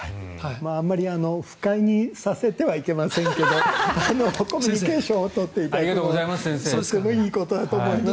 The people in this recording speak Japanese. あんまり不快にさせてはいけませんけどコミュニケーションを取っていただくのはとてもいいことだと思います。